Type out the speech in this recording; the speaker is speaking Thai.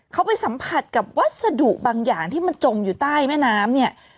เขาไปสัมผัสกับวัสดุบางอย่างที่มันจมอยู่ใต้แม่น้ำเนี่ย